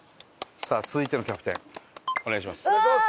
さあ続いてのキャプテンお願いします。